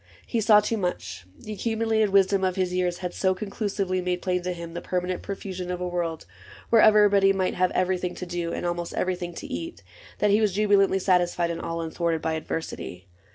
He saw too much : The accumulated wisdom of his years Had so conclusively made plain to him The permanent profusion of a world Where everybody might have everything To do, and almost everything to eat. That he was jubilantly satisfied And all unthwarted by adversity.